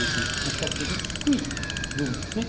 比較的低い部分ですね。